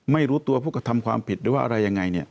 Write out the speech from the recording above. ไม่รู้ตัวผู้กระทำความผิดหรือว่าอะไรยังไง